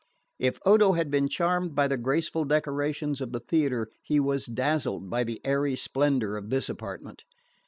If Odo had been charmed by the graceful decorations of the theatre, he was dazzled by the airy splendour of this apartment.